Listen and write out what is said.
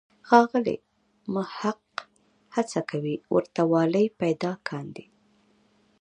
ښاغلی محق هڅه کوي ورته والی پیدا کاندي.